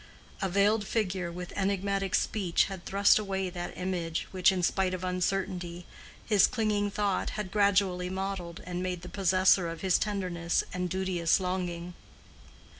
A veiled figure with enigmatic speech had thrust away that image which, in spite of uncertainty, his clinging thought had gradually modeled and made the possessor of his tenderness and duteous longing.